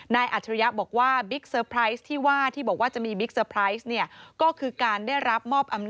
นายอัธริยะบอกว่า